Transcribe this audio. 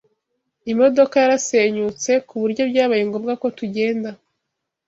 Imodoka yarasenyutse, ku buryo byabaye ngombwa ko tugenda.